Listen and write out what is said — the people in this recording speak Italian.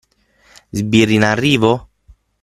Sbirri in arrivo?